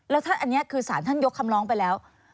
แล้วอันนี้คือสารท่านยกคำร้องไปแล้ว